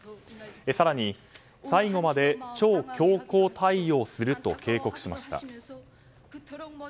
更に、最後まで超強硬対応すると警告しました。